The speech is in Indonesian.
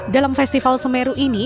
dalam festival semeru ini